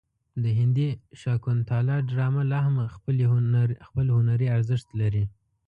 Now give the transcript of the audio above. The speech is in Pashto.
د هندي شاکونتالا ډرامه لا هم خپل هنري ارزښت لري.